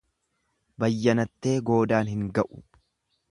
Bayyanattee goodaan hin ga'u.